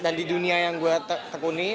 di dunia yang gue tekuni